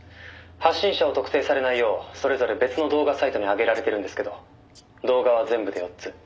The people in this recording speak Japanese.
「発信者を特定されないようそれぞれ別の動画サイトに上げられてるんですけど動画は全部で４つ」